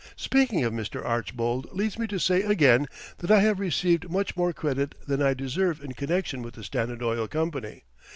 Speaking of Mr. Archbold leads me to say again that I have received much more credit than I deserve in connection with the Standard Oil Company.